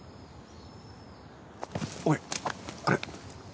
おいあれ。